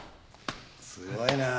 すごいなぁ。